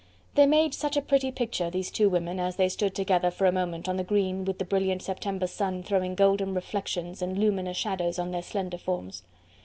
They made such a pretty picture, these two women, as they stood together for a moment on the green with the brilliant September sun throwing golden reflections and luminous shadows on their slender forms.